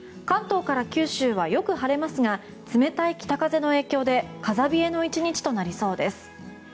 関東から九州はよく晴れますが冷たい北風の影響で風冷えの１日となりそうです。